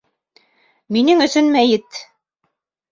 Минең өсөн мәйет!